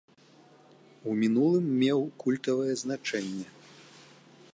У мінулым меў культавае значэнне.